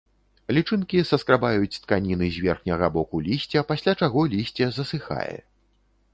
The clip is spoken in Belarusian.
Лічынкі саскрабаюць тканіны з верхняга боку лісця, пасля чаго лісце засыхае.